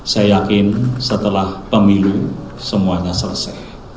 saya yakin setelah pemilu semuanya selesai